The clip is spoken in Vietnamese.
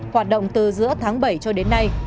hoạt động từ giữa tháng bảy cho đến nay